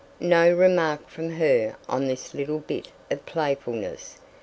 No remark from her on this little bit of playfulness.